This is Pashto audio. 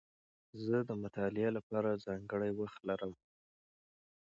زه د مطالعې له پاره ځانګړی وخت لرم.